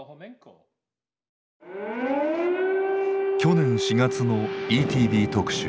去年４月の「ＥＴＶ特集」。